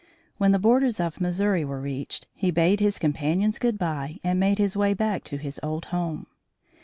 When the borders of Missouri were reached, he bade his companions goodbye and made his way back to his old home.